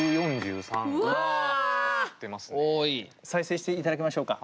再生していただきましょうか。